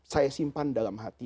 saya simpan dalam hati